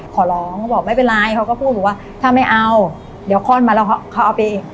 ขอร้องเขาบอกไม่เป็นไรเขาก็พูดบอกว่าถ้าไม่เอาเดี๋ยวค่อนมาแล้วเขาเอาไปอีก